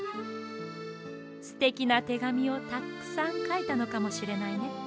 すてきなてがみをたっくさんかいたのかもしれないね。